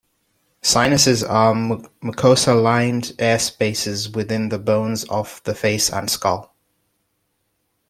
Sinuses are mucosa-lined airspaces within the bones of the face and skull.